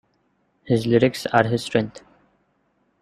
His lyrics are his strength.